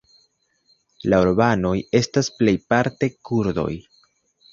La urbanoj estas plejparte kurdoj.